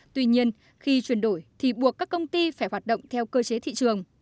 tuy nhiên khi chuyển đổi thì buộc các công ty phải hoạt động theo cơ chế thị trường